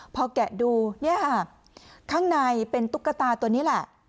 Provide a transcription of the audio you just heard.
พอแกะดูเนี่ยค่ะข้างในเป็นตุ๊กตาตัวนี้แหละ